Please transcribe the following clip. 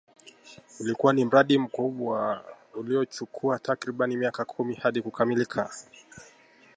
Ulikua ni mradi mkubwa uliochukua takribani miaka kumi hadi kukamilika